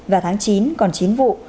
và tháng chín còn chỉ một mươi năm vụ